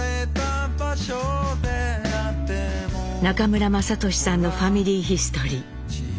中村雅俊さんの「ファミリーヒストリー」。